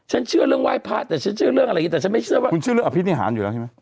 เชื่อเรื่องไหว้พระแต่ฉันเชื่อเรื่องอะไรอย่างนี้แต่ฉันไม่เชื่อว่าคุณเชื่อเรื่องอภินิหารอยู่แล้วใช่ไหม